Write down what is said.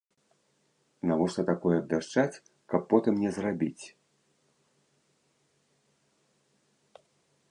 Навошта такое абвяшчаць, каб потым не зрабіць?